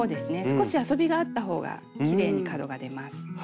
少し遊びがあったほうがきれいに角が出ます。